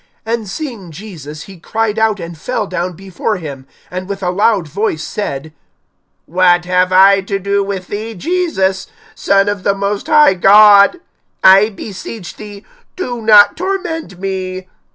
(28)And seeing Jesus, he cried out, and fell down before him, and with a loud voice said: What have I to do with thee, Jesus, Son of the most high God? I beseech thee, do not torment me.